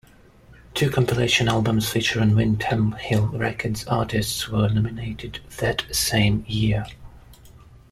Two compilation albums featuring Windham Hill Records artists were nominated that same year.